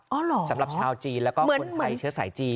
สำหรับชาวจีนแล้วก็คนไทยเชื้อสายจีน